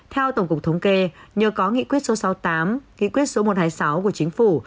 theo tổng cục thống kê nhờ có nghị quyết số sáu mươi tám nghị quyết số một trăm hai mươi sáu của chính phủ